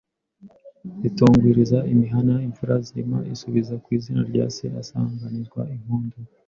Zitugwiriza imihana Imfura nzima isubiza ku izina rya se asanganizwa ’impundu